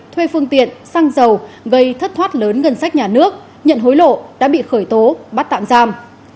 thuê phương tiện xăng dầu gây thất thoát lớn ngân sách nhà nước nhận hối lộ đã bị khởi tố bắt tạm giam